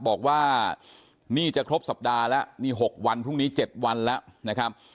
บอกว่านี่จะครบสัปดาห์แล้วนี่๖วันพรุ่งนี้๗วันแล้วนะครับ